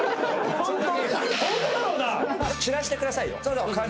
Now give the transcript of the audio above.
散らしてくださいよ。